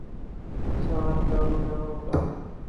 سان کام نہ ہوگا ۔